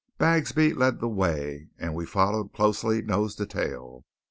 Bagsby led the way, and we followed closely nose to tail.